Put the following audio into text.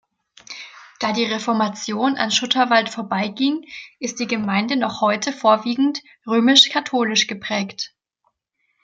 Da die Reformation an Schutterwald vorbeiging, ist die Gemeinde noch heute vorwiegend römisch-katholisch geprägt.